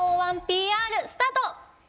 １０１ＰＲスタート！